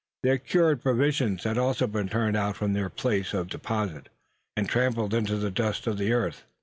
Their cured provisions had also been turned out from their place of deposit, and trampled into the dust of the earth.